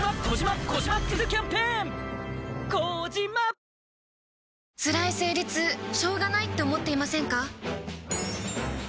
ぷはーっつらい生理痛しょうがないって思っていませんか？